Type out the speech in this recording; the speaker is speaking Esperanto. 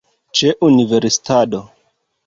Ĉe universitado